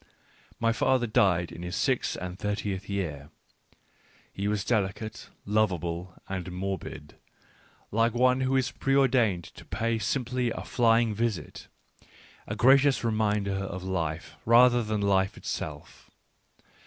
My father died in his six and thirtieth year : he was delicate, lovable, and morbid, like one who is preordained to pay simply a flying visit — a gracious reminder of life rather than life itself.